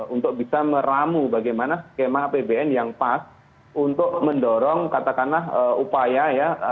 untuk bisa meramu bagaimana skema apbn yang pas untuk mendorong katakanlah upaya ya